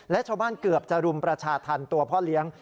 และชาวบ้านเกือบจะรุมประชาธรรมตัวพ่อเลี้ยง